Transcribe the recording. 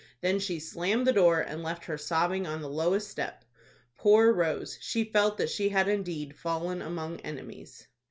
Then she slammed the door, and left her sobbing on the lowest step. Poor Rose! She felt that she had indeed fallen among enemies.